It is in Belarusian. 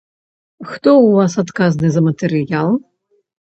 Хто ў вас адказны за матэрыял?